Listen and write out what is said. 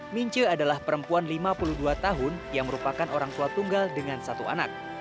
mince adalah perempuan lima puluh dua tahun yang merupakan orang tua tunggal dengan satu anak